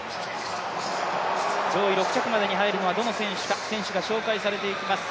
上位６着までに入るのはどの選手か選手が紹介されていきます。